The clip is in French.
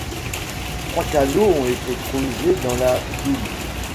Trois canaux ont été creusés dans la Doubs.